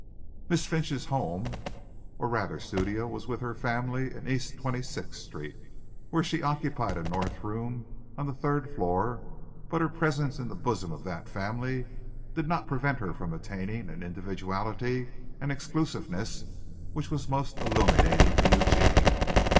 Miss Finch's home, or rather studio, was with her family in East Twenty sixth Street, where she occupied a north room on the third floor, but her presence in the bosom of that family did not prevent her from attaining an individuality and an exclusiveness which was most illuminating to Eugene.